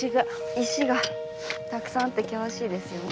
石がたくさんあって険しいですよね。